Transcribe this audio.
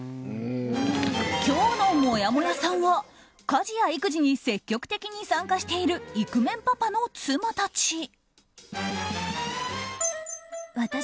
今日のもやもやさんは家事や育児に積極的に参加しているイクメンパパの妻たち。